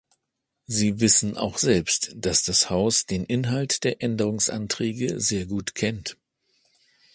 Sie wissen auch selbst, dass das Haus den Inhalt der Änderungsanträge sehr gut kennt.